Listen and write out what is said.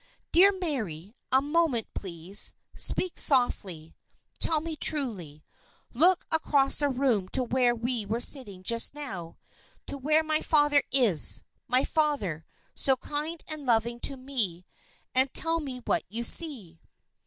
"Dear Mary, a moment, please. Speak softly. Tell me truly. Look across the room to where we were sitting just now to where my father is my father, so kind and loving to me and tell me what you see."